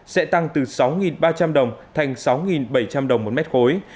sẽ tăng từ sáu ba trăm linh đồng thành sáu bảy trăm linh đồng một mét khối